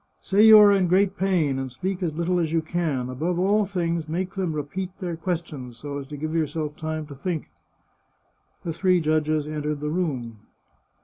" Say you are in great psin, and speak as little as you can. Above all things, make them repeat their questions, so as to give yourself time to think." The three judges entered the room.